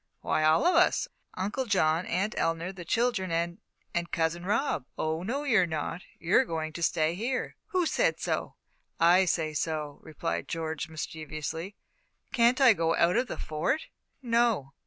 "Why, all of us Uncle John, Aunt Eleanor, the children, and and Cousin Rob." "Oh, no, you're not! You're going to stay here." "Who said so?" "I say so," replied George, mischievously. "Can't I go out of the Fort?" "No."